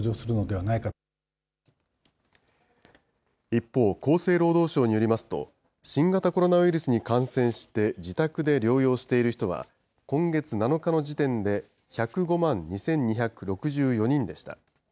一方、厚生労働省によりますと、新型コロナウイルスに感染して自宅で療養している人は、今月７日の時点で１０５万２２６４人でした。